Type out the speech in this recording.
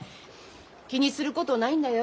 気にすることないんだよ。